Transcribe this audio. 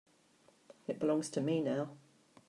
It belongs to me now.